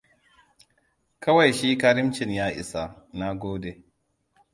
Kawai shi karimcin ya isa, na gode.